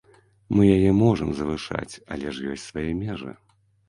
Мы яе можам завышаць, але ж ёсць свае межы.